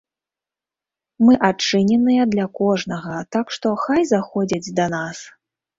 Мы адчыненыя для кожнага, так што хай заходзяць да нас.